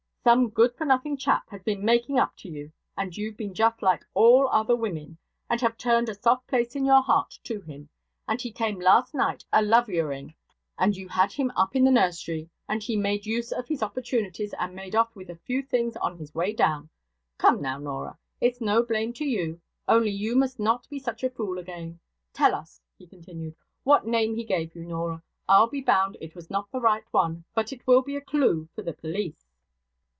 Some good for nothing chap has been making up to you, and you've been just like all other women, and have turned a soft place in your heart to him; and he came last night a lovyering, and you had him up in the nursery, and he made use of his opportunities, and made off with a few things on his way down! Come, now, Norah; it's no blame to you, only you must not be such a fool again! Tell us,' he continued, 'what name he gave you, Norah. I'll be bound, it was not the right one; but it will be a clue for the police.'